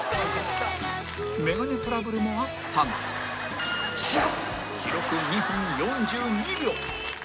メガネトラブルもあったが記録２分４２秒